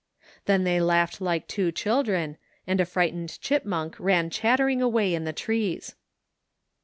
Then they laughed like two children, and a fright ened chipmunk ran chattering away in the trees.